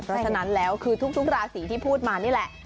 เพราะฉะนั้นแล้วคือทุกราศีที่พูดมานี่แหละ